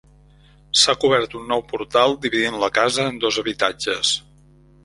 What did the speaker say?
S'ha cobert un nou portal dividint la casa en dos habitatges.